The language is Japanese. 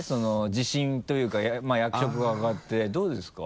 自信というかまぁ役職が上がってどうですか？